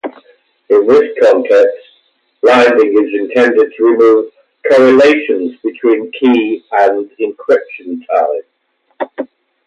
In this context, blinding is intended to remove correlations between key and encryption time.